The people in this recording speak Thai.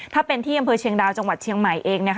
ถ้าเป็นที่อำเภอเชียงดาวจังหวัดเชียงใหม่เอง